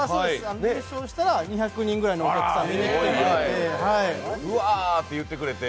優勝したら２００人くらいのお客さんが見に来てくれて。